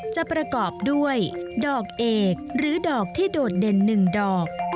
จะประกอบด้วยดอกเอกหรือดอกที่โดดเด่น๑ดอก